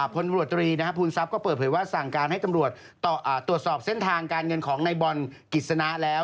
พลตำรวจตรีภูมิทรัพย์ก็เปิดเผยว่าสั่งการให้ตำรวจตรวจสอบเส้นทางการเงินของในบอลกิจสนะแล้ว